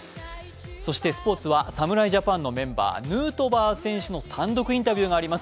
そしてスポーツは侍ジャパンのメンバー、ヌートバー選手の単独インタビューがあります。